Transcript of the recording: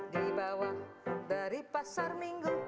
di bawah dari pasar minggu